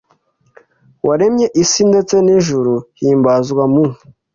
waremye isi ndetse n'ijuru himbazwa mu